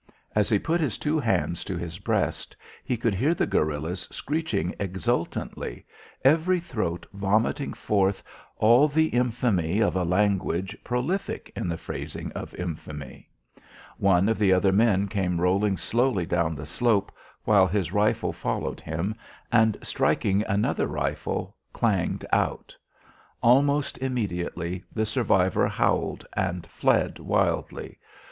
As he put his two hands to his breast, he could hear the guerillas screeching exultantly, every throat vomiting forth all the infamy of a language prolific in the phrasing of infamy. One of the other men came rolling slowly down the slope, while his rifle followed him, and, striking another rifle, clanged out. Almost immediately the survivor howled and fled wildly.